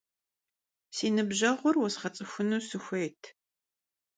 Si nıbjeğur vuezğets'ıxunu sıxuêyt.